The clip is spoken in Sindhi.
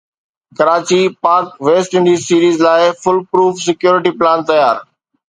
Karachi Pak West Indies series لاءِ فول پروف سيڪيورٽي پلان تيار